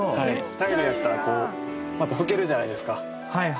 タイルやったらこうまた拭けるじゃないですか。